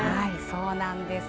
そうなんです。